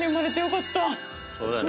そうだね。